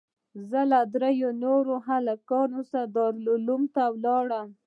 زه له درېو نورو هلکانو سره دارالعلوم ته ولاړم.